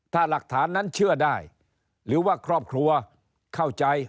ถ้าหลักฐานนั้นเชื่อได้หรือว่าครอบครัวเข้าใจ